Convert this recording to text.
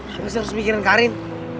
kamu bisa terus mikirin karin